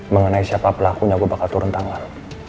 mengenai siapa pelakunya gue bakal turun tangan